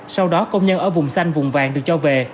sau đó công nhân ở vùng xanh vùng vàng được cho về